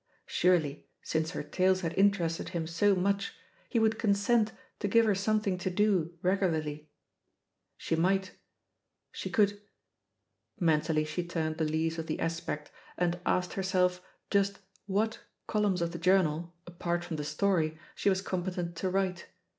Surely^ since her tales had interested him so much, he would oonsent to give her something to do regularly? She might — ^she cotdd Mentally she turned the leaves of The Aspect and asked herself just what columns of the joiunal, apart from the story, she was competent to write.